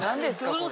これ。